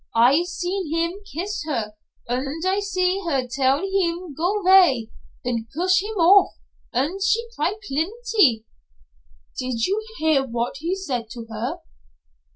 I seen heem kiss her und I seen her tell heem go vay, und push heem off, und she cry plenty." "Did you hear what he said to her?"